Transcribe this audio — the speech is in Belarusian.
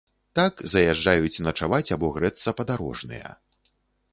Так заязджаюць начаваць або грэцца падарожныя.